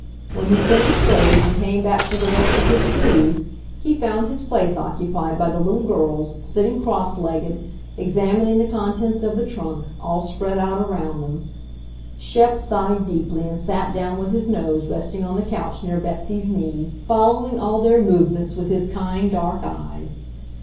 When he finished those and came back for the rest of his snooze, he found his place occupied by the little girls, sitting cross legged, examining the contents of the trunk, all spread out around them. Shep sighed deeply and sat down with his nose resting on the couch near Betsy's knee, following all their movements with his kind, dark eyes.